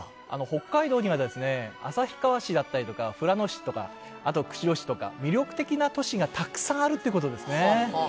北海道には旭川市だったりとか、富良野市とか、あと釧路市とか、魅力的な都市がたくさんあるまあね。